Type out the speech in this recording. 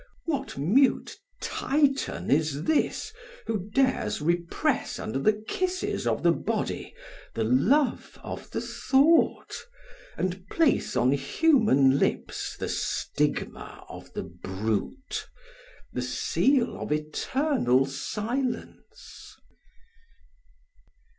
What mute Titian is this who dares repress under the kisses of the body the love of the thought, and place on human lips the stigma of the brute, the seal of eternal silence?